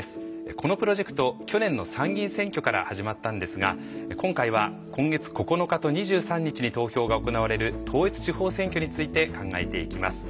このプロジェクト去年の参議院選挙から始まったんですが今回は今月９日と２３日に投票が行われる統一地方選挙について考えていきます。